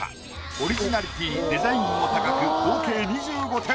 オリジナリティーデザインも高く合計２５点。